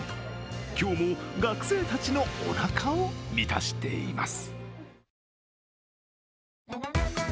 今日も学生たちのおなかを満たしています。